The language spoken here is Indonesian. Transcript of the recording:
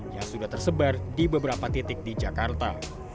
yang sudah tersebar di beberapa titik di jakarta